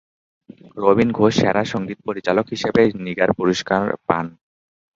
রবিন ঘোষ সেরা সঙ্গীত পরিচালক হিসাবে নিগার পুরস্কার পান।